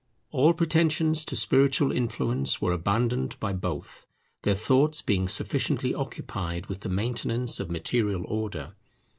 All pretentions to spiritual influence were abandoned by both; their thoughts being sufficiently occupied with the maintenance of material order.